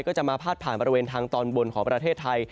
ก็จะมาพาดผ่านบริเวณทางตอนบนของประเทศไทย